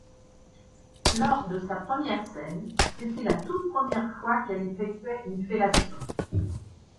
Lors de sa première scène, c'était la toute première fois qu'elle effectuait une fellation.